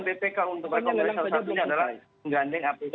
pertanyaan bpk untuk rekomendasi yang tadi adalah mengganding apbd